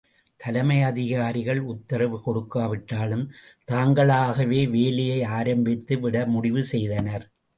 தலைமை அதிகாரிகள் உத்தரவு கொடுக்காவிட்டாலும், தாங்களாகவே வேலையை ஆரம்பித்து விட முடிவுசெய்தனர்.